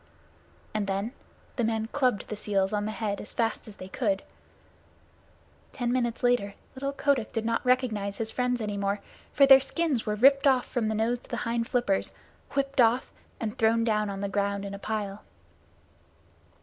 and then the men clubbed the seals on the head as fast as they could. Ten minutes later little Kotick did not recognize his friends any more, for their skins were ripped off from the nose to the hind flippers, whipped off and thrown down on the ground in a pile.